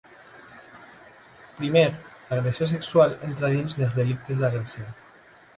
Primer, l'agressió sexual entra dins dels delictes d'agressió.